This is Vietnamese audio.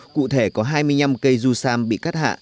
cụ thể có hai mươi năm cây du sam bị cắt hạ